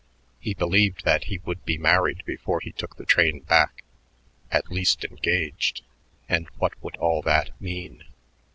He believed that he would be married before he took the train back, at least engaged, and what would all that mean?